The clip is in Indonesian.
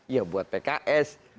ya buat pks